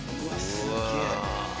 すげえ。